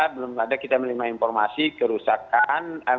belum ada kita menerima informasi kerusakan